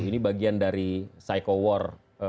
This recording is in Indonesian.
ini bagian dari psycho war